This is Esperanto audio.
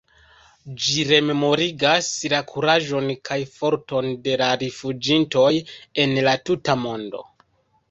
Ĝi rememorigas la kuraĝon kaj forton de la rifuĝintoj en la tuta mondo.